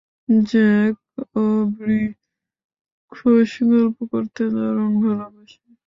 Jack এবং Bree খোশগল্প করতে দারুণ ভালোবাসে!